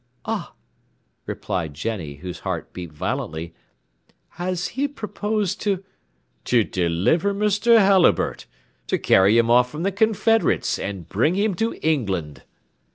"Ah!" replied Jenny, whose heart beat violently, "has he proposed to " "To deliver Mr. Halliburtt, to carry him off from the Confederates, and bring him to England."